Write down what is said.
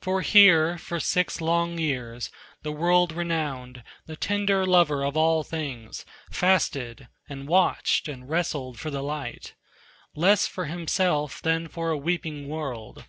For here, for six long years, the world renowned, The tender lover of all living things, Fasted and watched and wrestled for the light, Less for himself than for a weeping world.